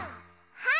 はい。